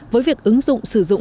với việc ứng dụng sử dụng